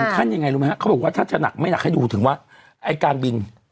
ขั้นยังไงรู้ไหมฮะเขาบอกว่าถ้าจะหนักไม่หนักให้ดูถึงว่าไอ้การบิน